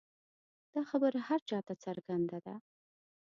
دا خبره هر چا ته څرګنده ده.